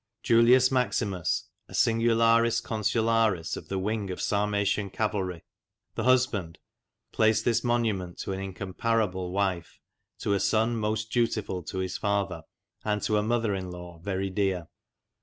Julius Maximus, a ' singularis consularis ' of the 'wing' of Sarmatian cavalry, the husband, placed this monument to an incomparable wife, to a son most dutiful to his father, and to a mother in law very dear."